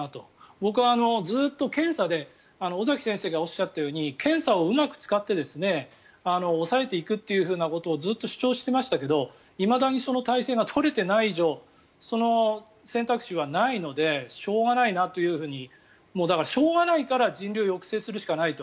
僕はずっと検査で尾崎先生がおっしゃったように検査をうまく使って抑えていくっていうことをずっと主張していましたけどいまだにその体制が取れていない以上その選択肢はないのでしょうがないなというふうにもうだから、しょうがないから人流を抑制するしかないと。